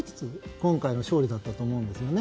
今回の勝利だったと思うんですよね。